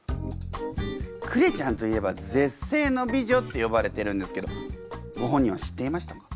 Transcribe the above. クレちゃんといえば絶世の美女って呼ばれてるんですけどご本人は知っていましたか？